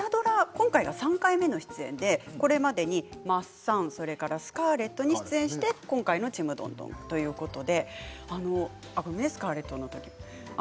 今回が３回目の出演でこれまでに「マッサン」「スカーレット」に出演して今回の「ちむどんどん」ということで「スカーレット」の写真も出てますね。